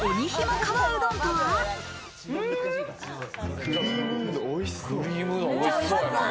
クリームうどん、おいしそう。